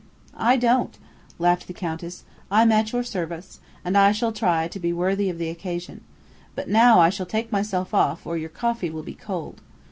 "I don't!" laughed the Countess. "I'm at your service, and I shall try to be worthy of the occasion. But now I shall take myself off, or your coffee will be cold.